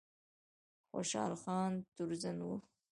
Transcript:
خوشحال خان تورزن و